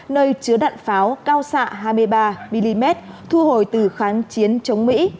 nơi chứa đạn pháo cao xạ hai mươi ba mm thu hồi từ kháng chiến chống mỹ